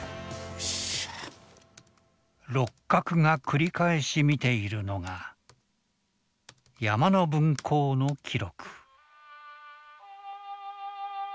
六角が繰り返し見ているのが「山の分校の記録」。